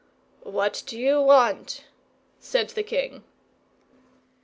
"What do you want?" said the king.